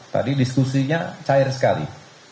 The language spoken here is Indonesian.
tadi diskusinya cair sekali